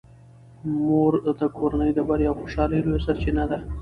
مور د کورنۍ د بریا او خوشحالۍ لویه سرچینه ده.